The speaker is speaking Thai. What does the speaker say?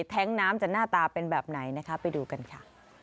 แท้งน้ำจะหน้าตาเป็นแบบไหนนะคะไปดูกันค่ะ